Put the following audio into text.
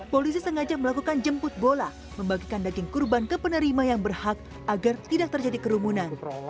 polisi sengaja melakukan jemput bola membagikan daging kurban ke penerima yang berhak agar tidak terjadi kerumunan